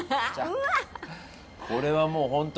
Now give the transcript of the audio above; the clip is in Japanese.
これはもうホント